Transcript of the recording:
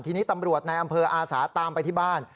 ทีนี้ตำรวจในอำเภออาสาตามไปที่บ้าน